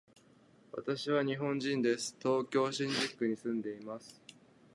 私は日本人です。東京都新宿区に住んでいます。